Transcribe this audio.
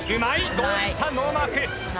ゴール下ノーマーク。